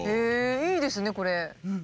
いいですねこれ。